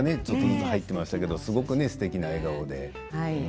ちょっとずつ入ってましたけどすごくすてきな笑顔で。